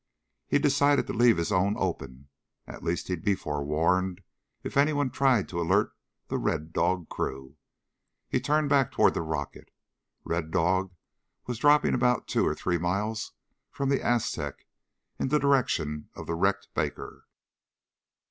He decided to leave his own open at least he'd be forewarned if anyone tried to alert the Red Dog crew. He turned back toward the rocket. Red Dog was dropping about two or three miles from the Aztec in the direction of the wrecked Baker.